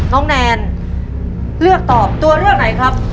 แนนเลือกตอบตัวเลือกไหนครับ